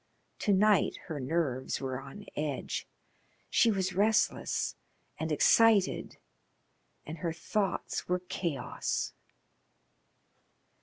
To night her nerves were on edge. She was restless and excited, and her thoughts were chaos.